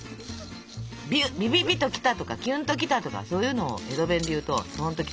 「ビビビときた」とか「キュンときた」とかそういうのを江戸弁で言うと「とんときた」。